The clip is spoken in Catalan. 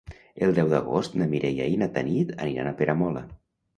El deu d'agost na Mireia i na Tanit aniran a Peramola.